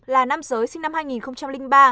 là nam giới sinh năm hai nghìn ba